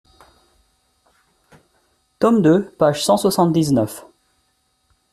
Tome deux, page cent soixante-dix-neuf.